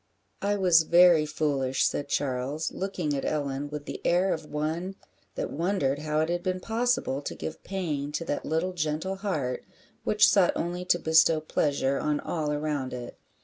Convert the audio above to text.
"I was very foolish," said Charles, looking at Ellen with the air of one that wondered how it had been possible to give pain to that little gentle heart, which sought only to bestow pleasure on all around it.